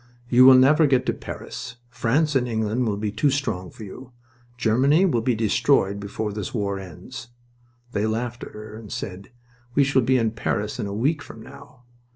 "You will never get to Paris... France and England will be too strong for you... Germany will be destroyed before this war ends." They laughed at her and said: "We shall be in Paris in a week from now.